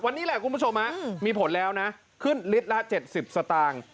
วันนี้แหละคุณผู้ชมมีผลแล้วนะขึ้นลิตรละ๗๐สตางค์